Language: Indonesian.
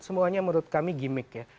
semuanya menurut kami gimmick ya